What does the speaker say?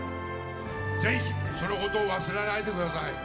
ぜひそのことを忘れないでください。